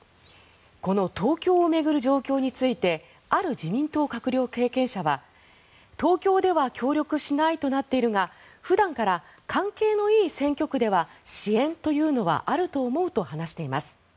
この東京を巡る状況についてある自民党閣僚経験者は東京では協力しないとなっているが普段から関係のいい選挙区では支援というのはあると思うと話しています。